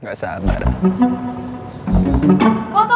nggak saat marah